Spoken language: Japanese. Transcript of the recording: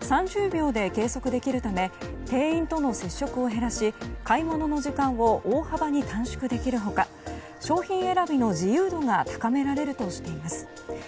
３０秒で計測できるため店員との接触を減らし買い物の時間を大幅に短縮できる他商品選びの自由度が高められるとしています。